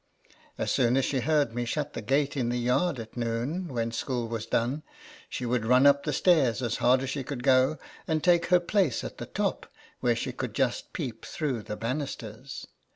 As soon as she heard me shut the gate in the yard at noon, when school Xvas done, she would run up the stairs as hard as she could go, and take her place at the top, where she could just peep through the banisters.